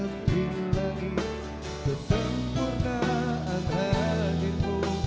lihat dilagi ketempurnaan hatimu